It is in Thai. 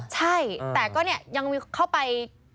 ใช่แต่ก็เนี่ยยังเข้าไป